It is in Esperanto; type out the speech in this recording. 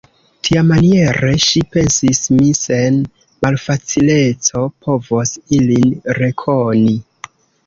Tiamaniere, ŝi pensis, mi sen malfacileco povos ilin rekoni.